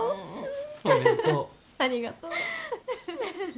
ありがとう。